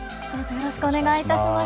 よろしくお願いします。